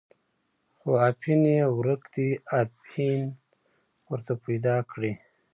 خو اپین یې ورک دی، اپین ورته پیدا کړئ.